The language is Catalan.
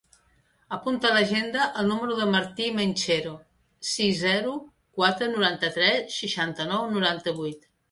Apunta a l'agenda el número del Martí Menchero: sis, zero, quatre, noranta-tres, seixanta-nou, noranta-vuit.